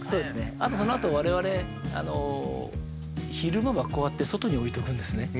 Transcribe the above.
あと、そのあと我々昼間はこうやって外に置いておくんですね。